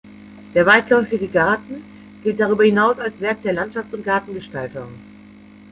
Der weitläufige Garten gilt darüber hinaus als "Werk der Landschafts- und Gartengestaltung".